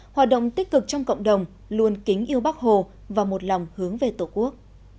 hoạt động tích cực trong cộng đồng luôn kính yêu bắc hồ và một lòng hướng về tổ quốc